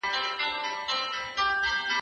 نیژدې لیري یې وړې پارچې پرتې وي